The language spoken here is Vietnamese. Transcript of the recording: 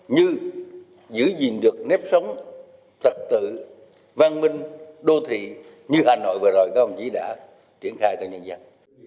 như giữ gìn được nếp sống tật tự văn minh đô thị như hà nội vừa rồi các ông chí đã triển khai cho nhân dân